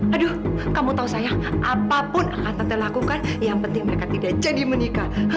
aduh kamu tahu saya apapun akan lakukan yang penting mereka tidak jadi menikah